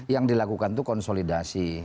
yang dilakukan itu konsolidasi